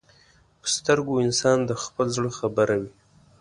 په سترګو انسان د خپل زړه خبر وي